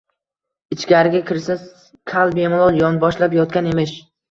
Ichkariga kirishsa, kal bemalol yonboshlab yotgan emish